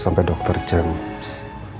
sampai dokter james